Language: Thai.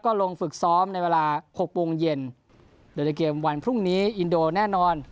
ลงฝึกซ้อมในเวลาหกโมงเย็นโดยในเกมวันพรุ่งนี้อินโดแน่นอน